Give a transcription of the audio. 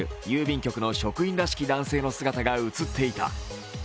郵便局の職員らしき男性の姿が映っていた。